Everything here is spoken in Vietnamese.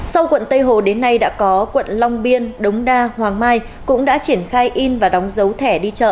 sau quận tây hồ đến nay đã có quận long biên đống đa hoàng mai cũng đã triển khai in và đóng dấu thẻ đi chợ